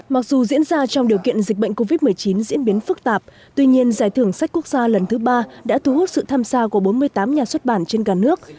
mặc dù diễn ra trong điều kiện dịch bệnh covid một mươi chín diễn biến phức tạp tuy nhiên giải thưởng sách quốc gia lần thứ ba đã thu hút sự tham gia của bốn mươi tám nhà xuất bản trên cả nước